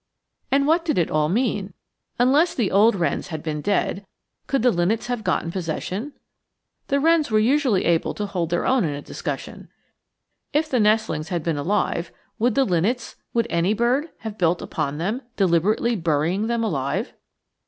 And what did it all mean? Unless the old wrens had been dead, could the linnets have gotten possession? The wrens were usually able to hold their own in a discussion. If the nestlings had been alive, would the linnets would any bird have built upon them, deliberately burying them alive?